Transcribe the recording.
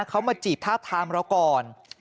เขามาจีบท่าทางเราก่อน